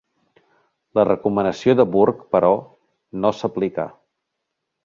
La recomanació de Burke, però, no s'aplicà.